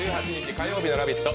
火曜日の「ラヴィット！」